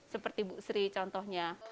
seperti bu sri contohnya